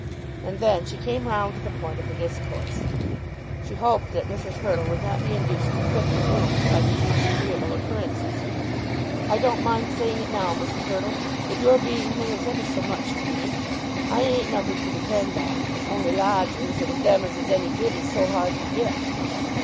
And then she came round to the point of her discourse. She hoped that Mrs. Hurtle would not be induced to quit the rooms by these disagreeable occurrences. "I don't mind saying it now, Mrs. Hurtle, but your being here is ever so much to me. I ain't nothing to depend on, only lodgers, and them as is any good is so hard to get!"